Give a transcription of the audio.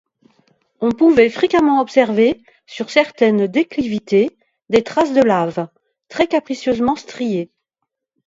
On pouvait fréquemment observer, sur certaines déclivités, des traces de laves, très-capricieusement striées.